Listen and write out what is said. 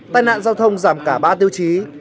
tài nạn giao thông giảm cả ba tiêu chí